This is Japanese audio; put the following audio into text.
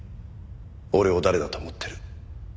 俺を誰だと思ってる。